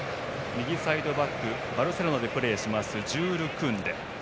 右サイドバックはバルセロナでプレーするジュール・クンデ。